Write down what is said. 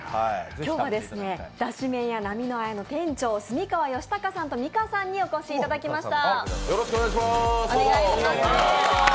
今日はだし麺屋ナミノアヤの店長、角川善隆さんと美佳さんにお越しいただきました。